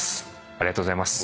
ありがとうございます。